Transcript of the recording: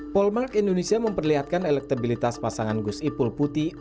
polmark indonesia memperlihatkan elektabilitas pasangan gus ipul putih